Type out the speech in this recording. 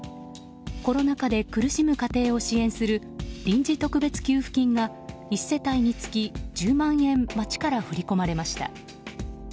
コロナ禍で苦しむ家庭を支援する臨時特別給付金が１世帯につき１０万円町から振り込まれました。